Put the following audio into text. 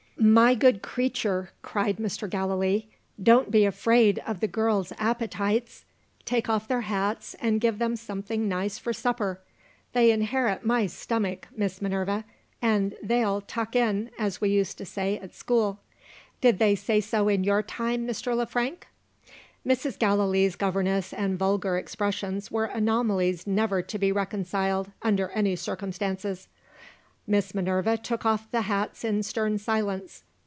"My good creature," cried Mr. Gallilee, "don't be afraid of the girls' appetites! Take off their hats, and give them something nice for supper. They inherit my stomach, Miss Minerva and they'll 'tuck in,' as we used to say at school. Did they say so in your time, Mr. Le Frank?" Mrs. Gallilee's governess and vulgar expressions were anomalies never to be reconciled, under any circumstances. Miss Minerva took off the hats in stern silence.